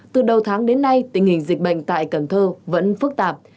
từ đầu tháng đến nay tình hình dịch bệnh tại cần thơ vẫn phức tạp